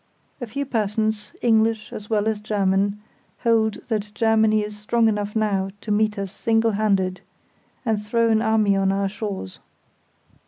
A few persons (English as well as German) hold that Germany is strong enough now to meet us single handed, and throw an army on our shores.